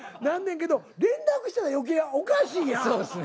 なんねんけど連絡したら余計おかしいやん。